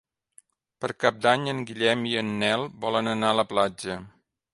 Per Cap d'Any en Guillem i en Nel volen anar a la platja.